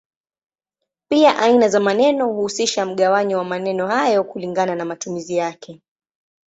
Pia aina za maneno huhusisha mgawanyo wa maneno hayo kulingana na matumizi yake.